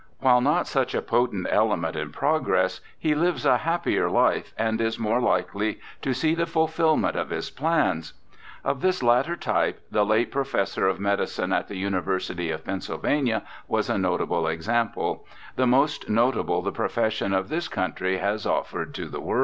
While not such a potent element in progress, he lives a happier life, and is more likely to see the fulfilment of his plans. Of this latter type the late Professor of Medicine at the University of Pennsylvania was a notable example— the most notable the profession of this country has off'ered to the world.